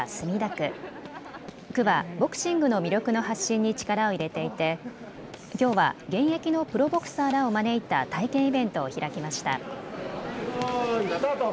区はボクシングの魅力の発信に力を入れていてきょうは現役のプロボクサーらを招いた体験イベントを開きました。